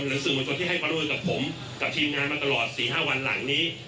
สื่อมวลชนที่ให้ความร่วมมือกับผมกับทีมงานมาตลอด๔๕วันหลังนี้